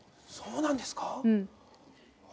そうなんですか